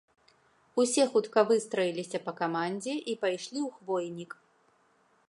Усе хутка выстраіліся па камандзе і пайшлі ў хвойнік.